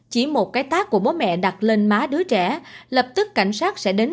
chỉ một cái tác của bố mẹ đặt lên má đứa trẻ lập tức cảnh sát sẽ đến